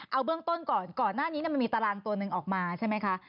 เอาเบื้องต้นก่อนก่อนหน้านี้มันมีตารางตัวหนึ่งออกมาใช่ไหมคะ